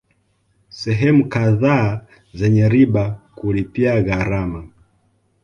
Sehemu kadhaa zenya riba kulipia gharama